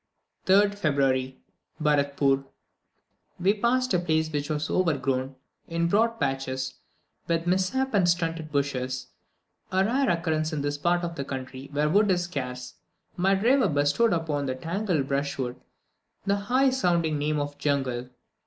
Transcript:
3rd February. Baratpoor. We passed a place which was overgrown, in broad patches, with misshapen stunted bushes a rare occurrence in this part of the country, where wood is scarce. My driver bestowed upon this tangled brushwood the high sounding name of jungle.